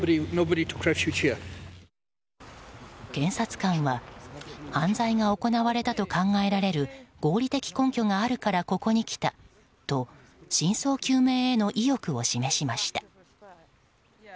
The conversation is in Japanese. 検察官は犯罪が行われたと考えられる合理的根拠があるからここに来たと真相究明への意欲を示しました。